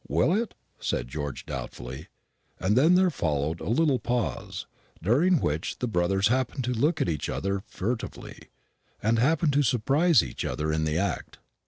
"Will it?" said George doubtfully; and then there followed a little pause, during which the brothers happened to look at each other furtively, and happened to surprise each other in the act.